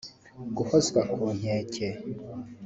guhozwa ku nkeke